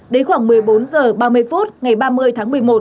đến khoảng một mươi bốn h ba mươi phút ngày ba mươi tháng một mươi một